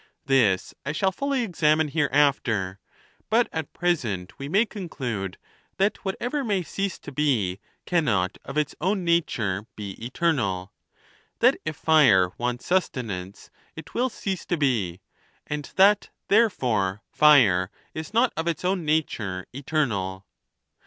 This I shall fully examine hereafter; but at present we may conclude that whatever may cease to be cannot of its own nature be eternal ; that if fire wants sus tenance, it will cease to be, and that, therefore, fire is not of its own nature eternal.